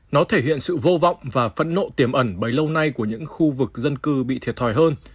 nó thể hiện sự vô vọng và phẫn nộ tiềm ẩn bấy lâu nay của những khu vực dân cư bị thiệt thòi hơn